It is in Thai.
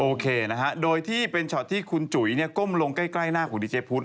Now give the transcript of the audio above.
โอเคนะฮะโดยที่เป็นช็อตที่คุณจุ๋ยก้มลงใกล้หน้าของดีเจพุทธ